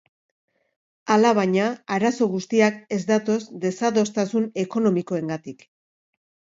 Alabaina, arazo guztiak ez datoz desadostasun ekonomikoengatik.